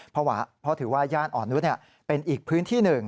ผมถือว่าย่านอ่อนนุษย์เป็นอีกพื้นที่๑